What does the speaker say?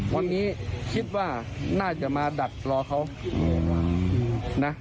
วันนี้คิดว่าน่าจะมาดักรอเขานะ